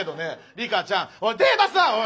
リカちゃんおい手出すな！